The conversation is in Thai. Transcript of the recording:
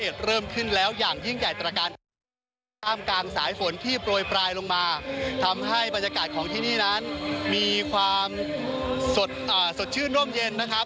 โดยปลายลงมาทำให้บรรยากาศของที่นี่นั้นมีความสดชื่นร่มเย็นนะครับ